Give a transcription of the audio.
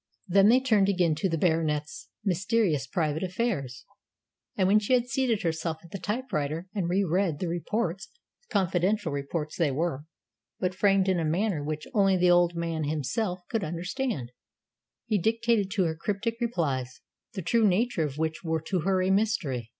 Then they turned again to the Baronet's mysterious private affairs; and when she had seated herself at the typewriter and re read the reports confidential reports they were, but framed in a manner which only the old man himself could understand he dictated to her cryptic replies, the true nature of which were to her a mystery.